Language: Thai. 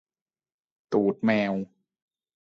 ตูดแมว